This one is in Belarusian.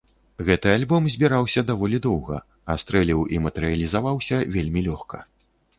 Гэты альбом збіраўся даволі доўга, а стрэліў і матэрыялізаваўся вельмі лёгка.